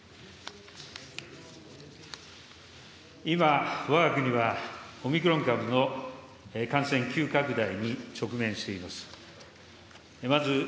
今、わが国はオミクロン株の感染急拡大に直面しています。